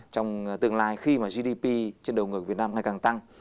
trong tương lai khi mà gdp trên đầu ngược việt nam ngày càng tăng